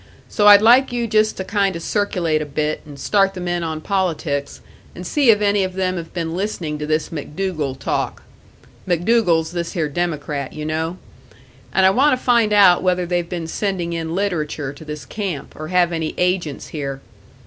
So I'd like you just to kind o' circulate a bit, and start the men on politics, and see if any of them have been listening to this MacDougall talk. (MacDougall's this here Democrat, you know.) And I want to find out whether they've been sending in literature to this camp, or have any agents here.